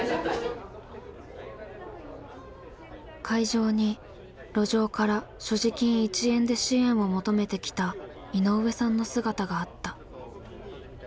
会場に路上から所持金１円で支援を求めてきた井上さんの姿があった。